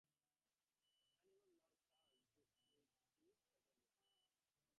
Hannibal now charged with his second line.